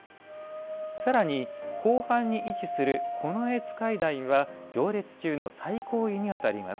さらに、後半に位置する近衛使代は行列中の最高位にあたります。